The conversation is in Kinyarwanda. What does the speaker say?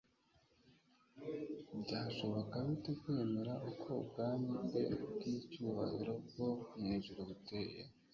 byashoboka bite kwemera uko ubwami bwe bw'icyubahiro bwo mu ijuru butcye?